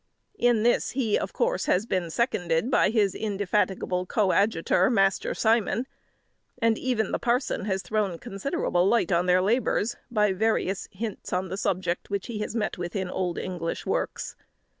In this he of course has been seconded by his indefatigable coadjutor, Master Simon: and even the parson has thrown considerable light on their labours, by various hints on the subject, which he has met with in old English works.